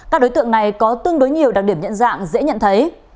các đối tượng này có tương đối nhiều đặc điểm nhận dạng dễ nhận thấy